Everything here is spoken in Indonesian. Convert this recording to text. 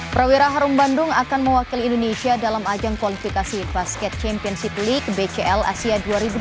prawira harum bandung akan mewakili indonesia dalam ajang kualifikasi basket championship league bcl asia dua ribu dua puluh